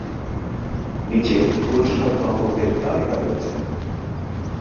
নীচে পুরস্কার প্রাপকদের তালিকা রয়েছে।